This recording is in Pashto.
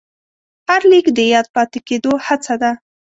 هر لیک د یاد پاتې کېدو هڅه ده.